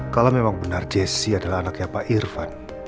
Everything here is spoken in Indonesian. kalau memang benar jessi adalah anaknya pak irfan